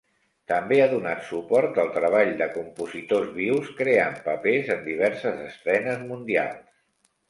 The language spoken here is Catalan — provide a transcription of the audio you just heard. També ha donat suport al treball de compositors vius, creant papers en diverses estrenes mundials.